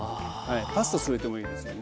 パスタ添えてもいいですよね。